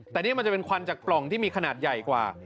แต่นี่มันจะเป็นควันจากปล่องที่มีขนาดใหญ่กว่า